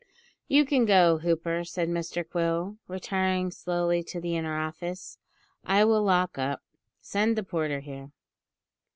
"You can go, Hooper," said Mr Quill, retiring slowly to the inner office, "I will lock up. Send the porter here."